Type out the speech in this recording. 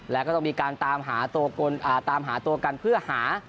และก็ต้องมีการตามหาตัวเกินอ่าตามหาตัวกันเพื่อหา